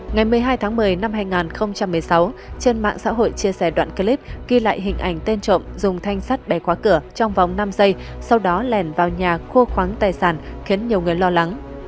ngày một mươi hai tháng một mươi năm hai nghìn một mươi sáu trên mạng xã hội chia sẻ đoạn clip ghi lại hình ảnh tên trộm dùng thanh sắt bẻ khóa cửa trong vòng năm giây sau đó lèn vào nhà khô khoáng tài sản khiến nhiều người lo lắng